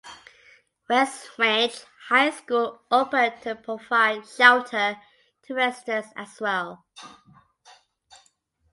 West Ranch High School opened to provide shelter to residents as well.